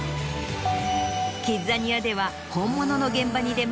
キッザニアでは本物の現場に出向き